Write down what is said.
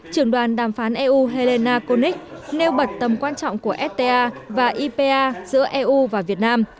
trưởng đoàn đàm phán eu helena konic nêu bật tầm quan trọng của fta và ipa giữa eu và việt nam